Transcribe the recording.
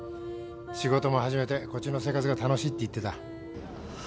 仕事も始めてこっちの生活が楽しいって言ってた